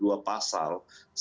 itu sama sekali tidak benar